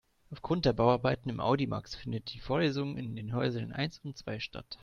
Aufgrund der Bauarbeiten im Audimax findet die Vorlesung in den Hörsälen eins und zwei statt.